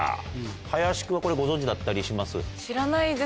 林君はこれご存じだったりします？